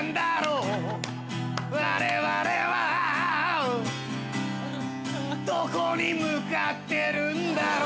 「我々はどこに向かってるんだろう」